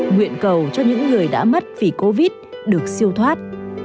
nguyện cầu cho những người đã mất vì covid được siêu thoát